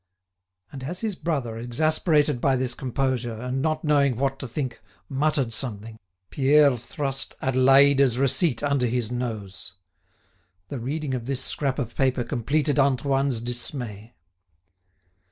And as his brother, exasperated by this composure, and not knowing what to think, muttered something, Pierre thrust Adélaïde's receipt under his nose. The reading of this scrap of paper completed Antoine's dismay.